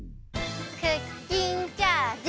クッキンチャージ。